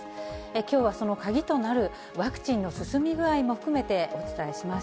きょうはその鍵となるワクチンの進み具合も含めてお伝えします。